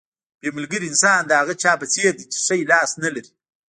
بې ملګري انسان د هغه چا په څېر دی چې ښی لاس نه لري.